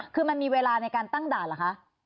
คือมันมีเวลาในการตั้งด่านเหรอคะ